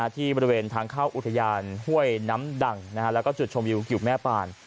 ที่บริเวณทางเข้าอุทยานห้วยน้ำดังแล้วก็จุดชมวิวกิวแม่ปาน